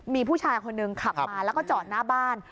มีผู้ชายคนหนึ่งขับมาแล้วก็จอดหน้าบ้าน